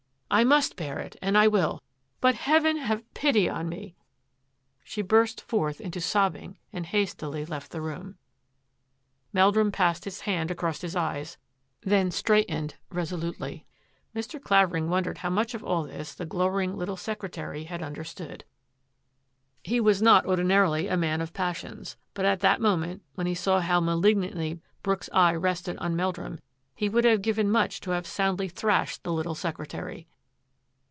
I must bear it, and I will! But Heaven have pity on me !" She burst forth into sobbing and hastily left the room. Meldrum passed his hand across his eyes, then straightened resolutely. Mr. Clavering wondered how much of all this the glowering little secretary had understood. 120 THAT AFFAIR AT THE MANOR He was not ordinarily a man of passions, but at that moment, when he saw how malignantly Brooks's eye rested on Meldrum, he would have given much to have soundly thrashed the little secretary.